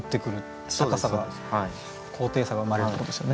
高さが高低差が生まれるってことですよね。